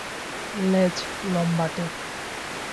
লেজ লম্বাটে।